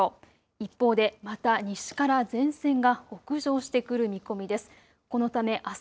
一方でまた西から前線が北上してくる見込みです。